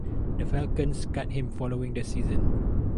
The Falcons cut him following the season.